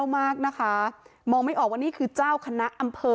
มองไม่ออกว่านี่คือเจ้าคณะอำเภอ